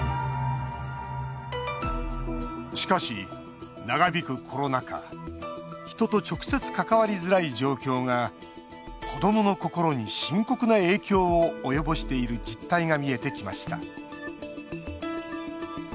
しかし、長引くコロナ禍人と直接関わりづらい状況が子どもの心に深刻な影響を及ぼしている実態が見えてきました。